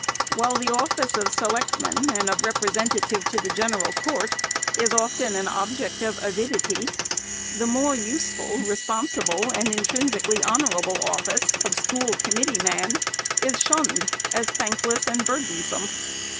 While the office of selectman and of representative to the general court is often an object of avidity, the more useful, responsible, and intrinsically honorable office of school committee FIRST ANNUAL REPORT. 405 man is shunned as thankless and burdensome.